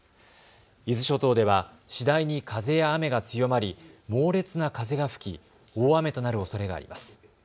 伊豆諸島では次第に風や雨が強まり猛烈な風が吹き大雨となるおそれがあります。